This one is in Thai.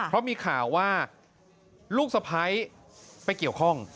เพราะมีข่าวว่าลูกสะพ้ายไปเกี่ยวข้อง